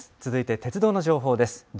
続いて鉄道の情報です。